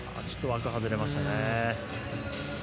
ちょっと枠を外れましたね。